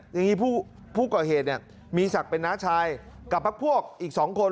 อย่างนี้ผู้เกราะเหตุมีศักดิ์เป็นน้าชายกับพวกอีกสองคน